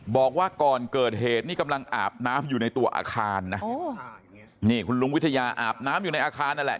บอกว่าก่อนเกิดเหตุนี่กำลังอาบน้ำอยู่ในตัวอาคารนะนี่คุณลุงวิทยาอาบน้ำอยู่ในอาคารนั่นแหละ